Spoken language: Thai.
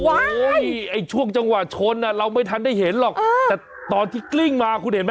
ไอ้ช่วงจังหวะชนอ่ะเราไม่ทันได้เห็นหรอกแต่ตอนที่กลิ้งมาคุณเห็นไหม